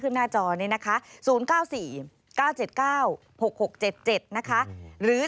ขึ้นหน้าจอสี่นะคะศูนย์เด้อสี่เก้าเจ็ดเก้าหรือ